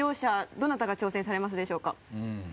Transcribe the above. どなたが挑戦されますでしょうか？